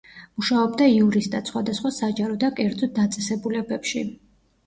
მუშაობდა იურისტად სხვადასხვა საჯარო და კერძო დაწესებულებებში.